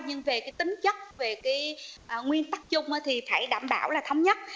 nhưng về tính chất về nguyên tắc chung thì phải đảm bảo là thống nhất